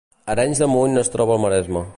Arenys de Munt es troba al Maresme